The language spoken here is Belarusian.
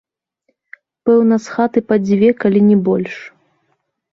Пэўна, з хаты па дзве, калі не больш.